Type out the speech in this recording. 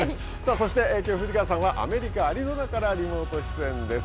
そして、きょう藤川さんはアメリカ・アリゾナからリモート出演です。